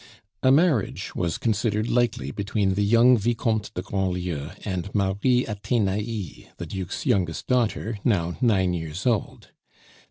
A marriage was considered likely between the young Vicomte de Grandlieu and Marie Athenais, the Duke's youngest daughter, now nine years old.